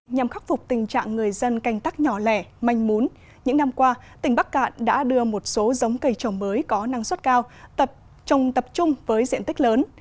nhằm khắc phục tình trạng người dân canh tắc nhỏ lẻ manh mún những năm qua tỉnh bắc cạn đã đưa một số giống cây trồng mới có năng suất cao trồng tập trung với diện tích lớn